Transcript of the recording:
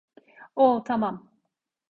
Oh, tamam.